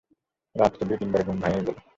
রাত্রে দুই-তিন বার ঘুম ভাঙিয়া গেল।